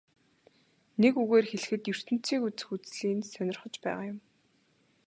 Нэг үгээр хэлэхэд ертөнцийг үзэх үзлий нь сонирхож байгаа юм.